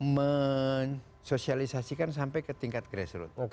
mensosialisasikan sampai ke tingkat grassroot